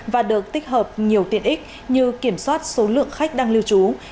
và được tích hợp nhiều tiện ích như kiểm soát bảo vệ tài khoản cá nhân của chính mình